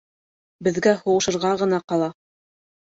— Беҙгә һуғышырға ғына ҡала.